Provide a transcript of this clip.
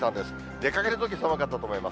出かけるとき、寒かったと思います。